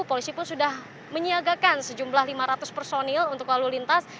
polisi pun sudah menyiagakan sejumlah lima ratus personil untuk lalu lintas